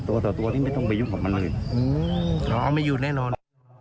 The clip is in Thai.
ตัวตัวตัวนี้ไม่ต้องไปยุ่งกับมันเลยอืมอ๋อไม่หยุดแน่นอน